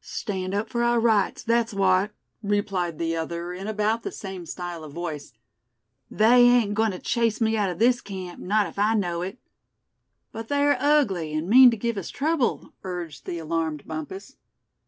"Stand up for our rights, that's what," replied the other, in about the same style of voice. "They ain't going to chase me out of this camp, not if I know it." "But they're ugly, and mean to give us trouble," urged the alarmed Bumpus.